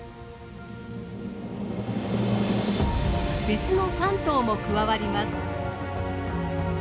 別の３頭も加わります。